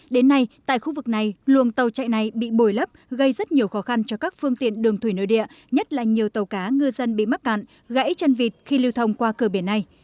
đến nay tại khu vực này luồng tàu chạy này bị bồi lấp gây rất nhiều khó khăn cho các phương tiện đường thủy nơi địa nhất là nhiều tàu cá ngư dân bị mắc cạn gãy chân vịt khi lưu thông qua cờ biển này